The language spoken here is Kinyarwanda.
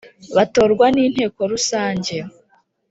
batorwa n inteko rusange